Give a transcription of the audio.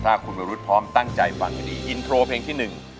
ถ้าคุณวรุษพร้อมตั้งใจฟังให้ดีอินโทรเพลงที่หนึ่ง